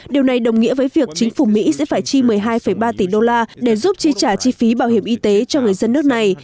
điều này đồng nghĩa với việc chính phủ mỹ sẽ phải chi một mươi hai ba tỷ đô la để giúp chi trả chi phí bảo hiểm y tế cho người dân nước này